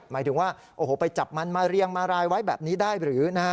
หมายถึงว่าโอ้โหไปจับมันมาเรียงมารายไว้แบบนี้ได้หรือนะฮะ